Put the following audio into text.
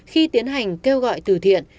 khi tiến hành kêu gọi từ thiện